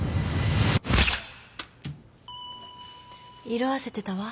色あせてたわ。